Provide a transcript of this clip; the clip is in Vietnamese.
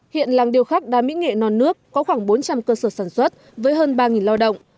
hiện làng điều khắc đa mỹ nghệ non nước có khoảng bốn trăm linh cơ sở sản xuất với hơn ba lao động